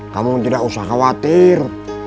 kamu tidak usah khawatir